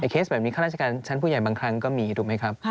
เคสแบบนี้ข้าราชการชั้นผู้ใหญ่บางครั้งก็มีถูกไหมครับ